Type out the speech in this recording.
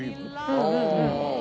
うんうんうん。